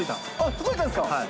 届いたんですか？